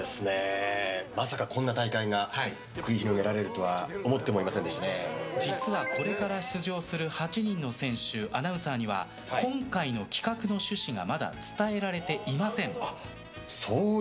まさかこんな戦いが繰り広げられるとは実は、これから出場する８人の選手、アナウンサーには今回の企画の趣旨がまだ伝えられていません。